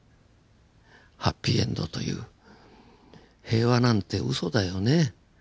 ハッピーエンドという平和なんてウソだよね。